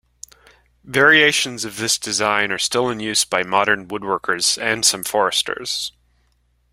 Variations of this design are still in use by modern woodworkers and some foresters.